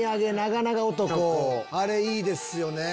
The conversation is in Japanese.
あれいいですよね。